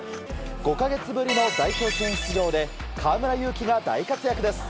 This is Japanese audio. ５か月ぶりの代表戦出場で河村勇輝が大活躍です。